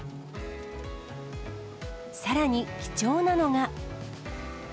さらに貴重なのが。